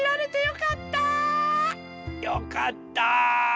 よかった！